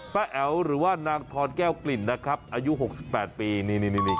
ป้าแอ๋วหรือว่านางทอนแก้วกลิ่นนะครับอายุหกสิบแปดปีนี่